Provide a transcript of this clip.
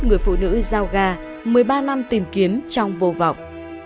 người phụ nữ giao ga một mươi ba năm tìm kiếm trong vô vọng